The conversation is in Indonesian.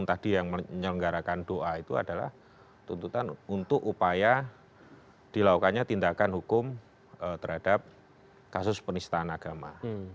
tentu itu adalah untuk upaya dilakukannya tindakan hukum terhadap kasus penistaan agama